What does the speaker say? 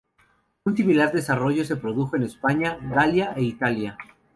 Un similar desarrollo se produjo en España, Galia e Italia.